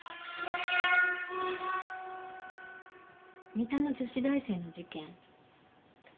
三田の女子大生の事件。